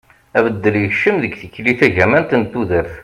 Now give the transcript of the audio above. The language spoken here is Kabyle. abeddel yekcem deg tikli tagamant n tudert